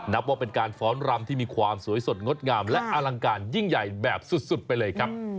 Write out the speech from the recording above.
นับว่าเป็นการฟ้อนรำที่มีความสวยสดงดงามและอลังการยิ่งใหญ่แบบสุดไปเลยครับ